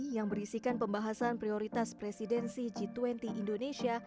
yang berisikan pembahasan prioritas presidensi g dua puluh indonesia